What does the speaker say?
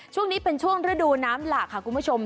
ช่วงนี้เป็นช่วงฤดูน้ำหลากค่ะคุณผู้ชม